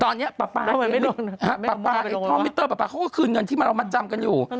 ตอนเนี่ยปรับปร๑๙๗๕เขาคืยเงินที่เรามัดจำกันอยู่